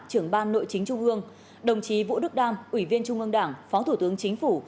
trưởng ban nội chính trung ương đồng chí vũ đức đam ủy viên trung ương đảng phó thủ tướng chính phủ